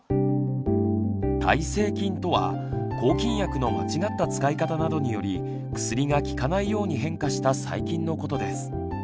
「耐性菌」とは抗菌薬の間違った使い方などにより薬が効かないように変化した細菌のことです。